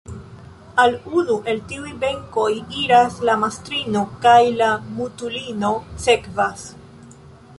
Al unu el tiuj benkoj iras la mastrino kaj la mutulino sekvas.